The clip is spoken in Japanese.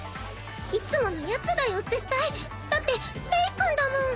いつものやつだよ絶対だってレイ君だもん